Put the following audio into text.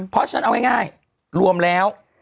เพราะฉะนั้นเอาง่ายรวมแล้ว